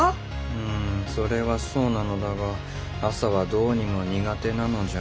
うんそれはそうなのだが朝はどうにも苦手なのじゃ。